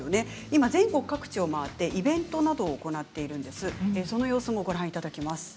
今、全国各地を回ってイベントなどを行っています。